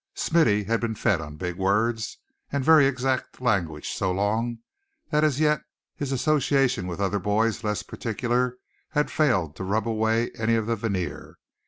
Smithy had been fed on big words, and very exact language so long, that as yet his association with other boys less particular had failed to rub away any of the veneer.